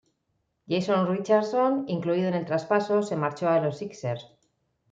Jason Richardson, incluido en el traspaso, se marchó a los Sixers.